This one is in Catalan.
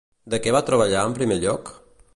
De què va treballar en primer lloc?